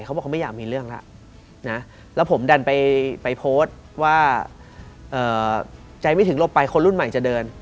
เขาบอกเขาไม่อยากมีเรื่องแล้วนะแล้วผมดันไปโพสต์ว่าใจไม่ถึงลบไปคนรุ่นใหม่จะเดิน